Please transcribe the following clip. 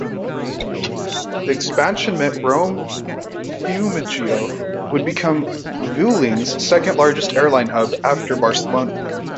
The expansion meant Rome-Fiumcino would become Vueling's second largest airline hub, after Barcelona.